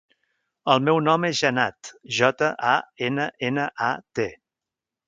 El meu nom és Jannat: jota, a, ena, ena, a, te.